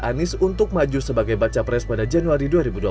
anies untuk maju sebagai baca pres pada januari dua ribu dua puluh